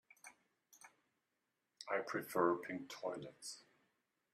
I prefer pink toilets.